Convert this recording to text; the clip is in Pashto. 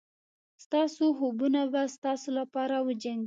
ستاسو خوبونه به ستاسو لپاره وجنګېږي.